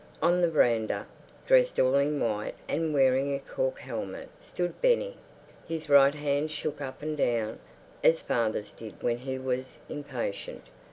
On the veranda, dressed all in white and wearing a cork helmet, stood Benny. His right hand shook up and down, as father's did when he was impatient.